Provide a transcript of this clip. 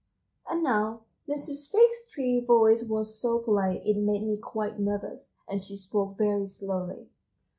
And now Mrs. Fig's voice was so polite it made me quite nervous, and she spoke very slowly.